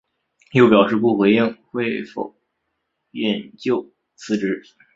又表示不回应会否引咎辞职。